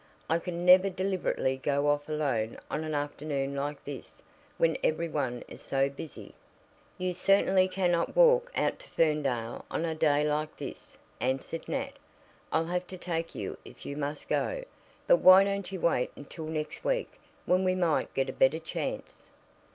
"I can never deliberately go off alone on an afternoon like this, when every one is so busy." "You certainly cannot walk out to Ferndale on a day like this," answered Nat. "I'll have to take you if you must go. But why don't you wait until next week, when we might get a better chance?"